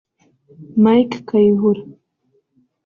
Mike Kayihura